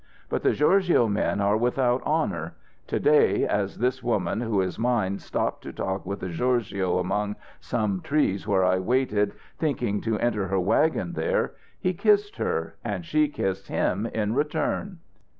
But the gorgio men are without honour. To day, as this woman who is mine stopped to talk with a gorgio, among some trees where I waited, thinking to enter her wagon there, he kissed her, and she kissed him, in return."